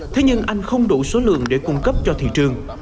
thế nhưng anh không đủ số lượng để cung cấp cho thị trường